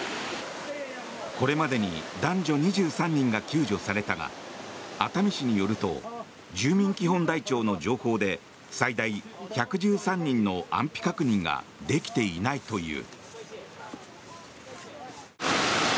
これまでに男女２３人が救助されたが熱海市によると住民基本台帳の情報で最大１１３人の安否確認ができていないという。